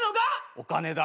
お金だ。